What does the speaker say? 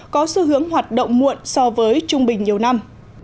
có xu hướng hoạt động muộn so với trung bình nhiều năm